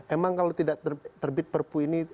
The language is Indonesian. emang kalau tidak terbit perpu ini